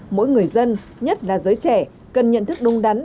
mỗi người dân nhất là giới trẻ cần nhận thức đúng đắn